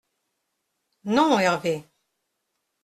—«Non, Hervé.